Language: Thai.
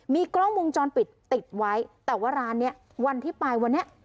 มีกล้องวงจรปิดติดไว้แต่ว่าร้านเนี้ยวันที่ไปวันนี้